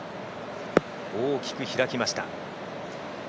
大きく開きました。